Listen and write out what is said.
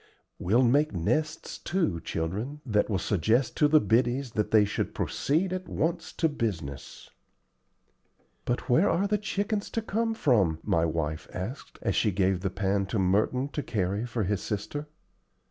We'll make nests, too, children, that will suggest to the biddies that they should proceed at once to business." "But where are the chickens to come from?" my wife asked, as she gave the pan to Merton to carry for his sister.